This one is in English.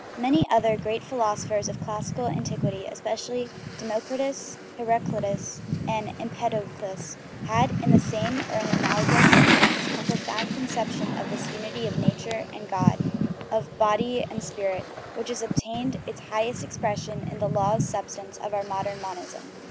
Many other great philosophers of classical antiquity, especially Democritus, Heraclitus, and Empedocles, had, in the same or an analogous sense, a profound conception of this unity of nature and God, of body 289 THE RIDDLE OF THE UNIVERSE and spirit, which has obtained its highest expression in the law of substance of our modern monism.